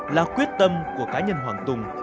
là quyết tâm của cá nhân hoàng tùng